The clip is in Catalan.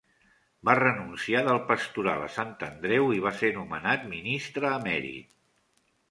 Va renunciar del pastoral a Sant Andreu i va ser nomenat ministre emèrit.